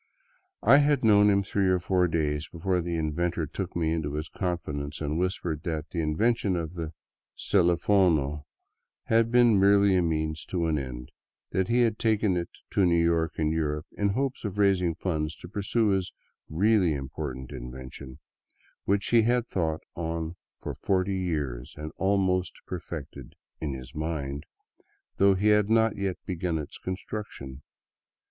I had known him three or four days before the inventor took me into his confidence and whispered that the invention of the " celifono " had been merely a means to an end ; that he had taken it to New York and Europe in the hope of raising funds to pursue his " really im portant invention," which he had thought on for forty years and al ready perfected " in his mind," though he had not yet begun its con struction.